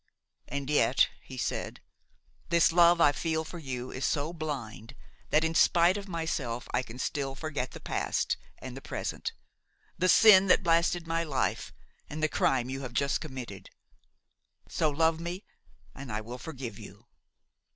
"And yet," he said, "this love I feel for you is so blind that, in spite of myself, I can still forget the past and the present–the sin that blasted my life and the crime you have just committed. So love me, and I will forgive you."